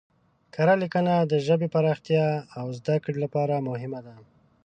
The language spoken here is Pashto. کره لیکنه د ژبې پراختیا او زده کړې لپاره مهمه ده.